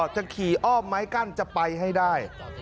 จะขี่อ้อมไม้กั้นจะไปให้ได้